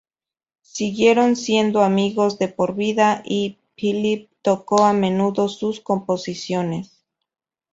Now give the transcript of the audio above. Siguieron siendo amigos de por vida, y Philipp tocó a menudo sus composiciones.